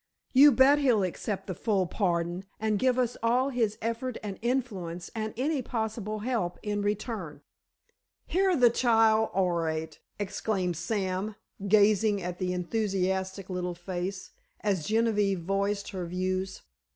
You bet he'll accept the full pardon and give all his effort and influence and any possible help in return." "Hear the child orate!" exclaimed Sam, gazing at the enthusiastic little face, as Genevieve voiced her views.